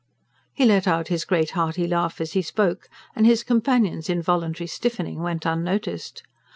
He let out his great hearty laugh as he spoke, and his companion's involuntary stiffening went unnoticed.